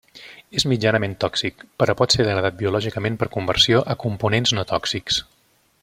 És mitjanament tòxic, però pot ser degradat biològicament per conversió a components no tòxics.